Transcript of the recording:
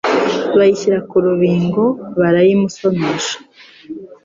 bayishyira ku rubingo barayimusomesha